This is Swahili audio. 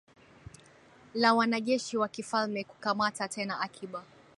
la wanajeshi wa kifalme kukamata tena akiba